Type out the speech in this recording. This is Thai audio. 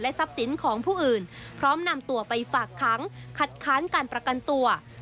ทรัพย์สินของผู้อื่นพร้อมนำตัวไปฝากขังคัดค้านการประกันตัว